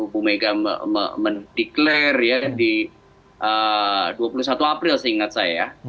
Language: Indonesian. bumega mendeklarasi di dua puluh satu april seingat saya